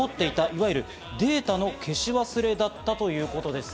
いわゆるデータの消し忘れだったということです。